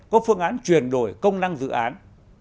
có phương án chuyển đổi công năng dự án